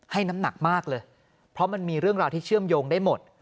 น้ำหนักมากเลยเพราะมันมีเรื่องราวที่เชื่อมโยงได้หมด